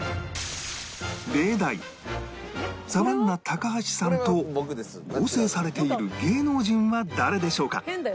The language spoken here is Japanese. サバンナ高橋さんと合成されている芸能人は誰でしょうか？